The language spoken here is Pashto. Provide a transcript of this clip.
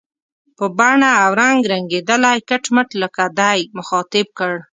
په بڼه او رنګ رنګېدلی، کټ مټ لکه دی، مخاطب کړ.